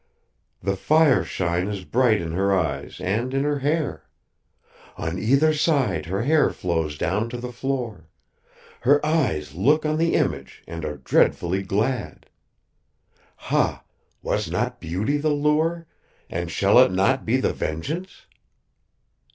The fire shine is bright in her eyes and in her hair. On either side her hair flows down to the floor; her eyes look on the image and are dreadfully glad. Ha, was not Beauty the lure, and shall it not be the vengeance?